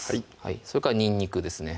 それからにんにくですね